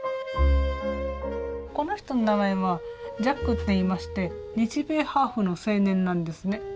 この人の名前はジャックっていいまして日米ハーフの青年なんですね。